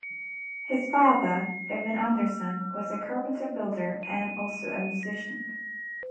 His father, Irving Anderson, was a carpenter-builder and also a musician.